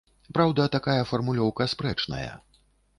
Праўда, такая фармулёўка спрэчная.